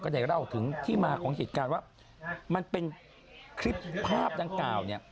ได้เล่าถึงที่มาของเหตุการณ์ว่ามันเป็นคลิปภาพดังกล่าวเนี่ย